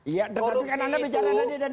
iya tapi kan anda bicara tadi